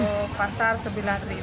di pasar rp sembilan